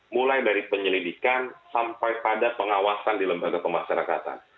mulai dari penyelidikan sampai pada pengawasan di lembaga pemasyarakatan